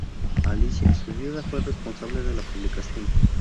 Alicia, su viuda, fue responsable de la publicación.